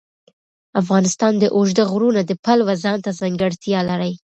افغانستان د اوږده غرونه د پلوه ځانته ځانګړتیا لري.